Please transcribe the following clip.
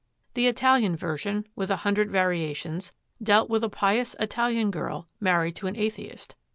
The Italian version, with a hundred variations, dealt with a pious Italian girl married to an atheist.